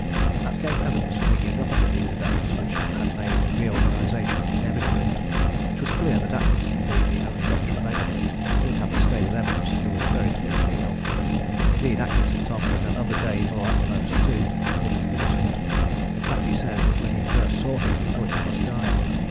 At Cape Evans we knew nothing of these events, which had made reorganization inevitable. It was clear that Atkinson, being the only doctor available, would have to stay with Evans, who was very seriously ill: indeed Atkinson told me that another day, or at the most two, would have finished him. In fact he says that when he first saw him he thought he must die.